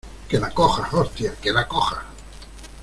¡ que la cojas! ¡ hostia, que la cojas !